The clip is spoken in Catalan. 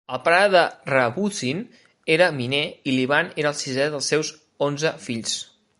El pare de Rabuzin era miner i l'Ivan era el sisè dels seus onze fills.